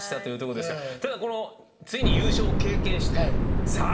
とにかくついに優勝を経験してさあ